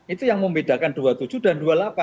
itu yang membedakan dua puluh tujuh dan dua puluh delapan